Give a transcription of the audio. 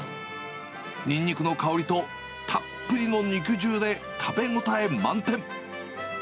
ニンニクの香りとたっぷりの肉汁で食べ応え満点。